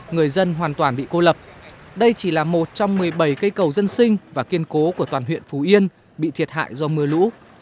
người dân hoàn toàn bị cô lập đây chỉ là một trong một mươi bảy cây cầu dân sinh và kiên cố của toàn huyện phú yên bị thiệt hại do mưa lũ